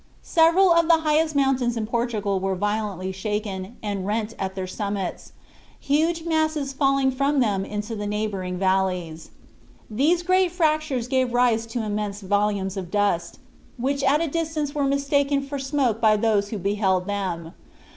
Several of the highest mountains in Portugal were violently shaken, and rent at their summits; huge masses falling from them into the neighboring valleys. These great fractures gave rise to immense volumes of dust, which at a distance were mistaken for smoke by those who beheld them.